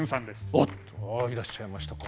おっああいらっしゃいましたか。